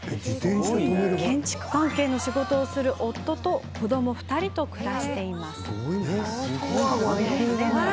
建築関係の仕事をする夫と子ども２人と暮らしています。